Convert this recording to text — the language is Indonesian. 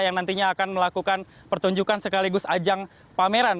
yang nantinya akan melakukan pertunjukan sekaligus ajang pameran